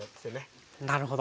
なるほど。